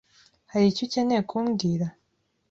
Hari icyo ukeneye kumbwira?